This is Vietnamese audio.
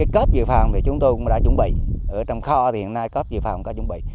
cấp dự phòng chúng ta cũng đã chuẩn bị ở trong kho hiện nay cấp dự phòng cũng đã chuẩn bị